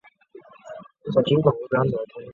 这将使得始祖鸟不属于鸟类。